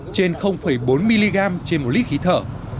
trên bốn mg trên một lít khí thở